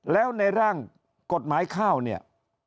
แล้วในร่างกฎหมายข้าวเนี่ย